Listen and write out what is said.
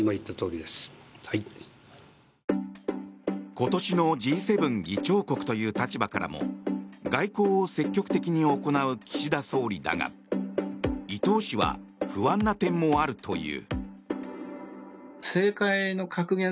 今年のＧ７議長国という立場からも外交を積極的に行う岸田総理だが伊藤氏は不安な点もあるという。